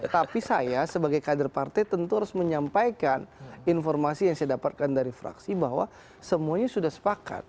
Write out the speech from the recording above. tapi saya sebagai kader partai tentu harus menyampaikan informasi yang saya dapatkan dari fraksi bahwa semuanya sudah sepakat